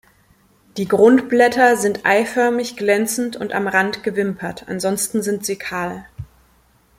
Die Grundblätter sind eiförmig, glänzend und am Rand gewimpert, ansonsten sind sie kahl.